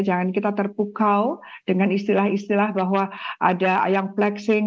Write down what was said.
jangan kita terpukau dengan istilah istilah bahwa ada yang flexing